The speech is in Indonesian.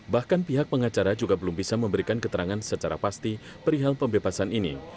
bahkan pihak pengacara juga belum bisa memberikan keterangan secara pasti perihal pembebasan ini